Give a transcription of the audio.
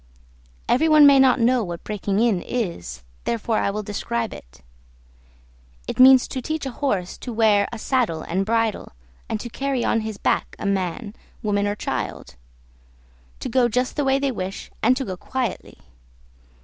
Every one may not know what breaking in is, therefore I will describe it. It means to teach a horse to wear a saddle and bridle, and to carry on his back a man, woman or child; to go just the way they wish, and to go quietly.